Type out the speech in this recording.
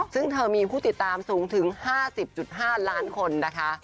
ซึ่งเธอมีผู้ติดตามสูงถึง๕๐๕ล้านคนนะคะ